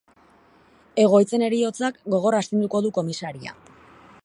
Egoitzen heriotzak gogor astinduko du komisaria.